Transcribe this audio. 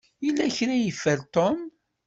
Yella kra i yeffer Tom.